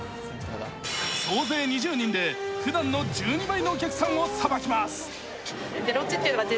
総勢２０人でふだんの１２倍のお客さんをさばきます。